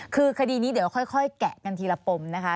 คือคดีนี้เดี๋ยวค่อยแกะกันทีละปมนะคะ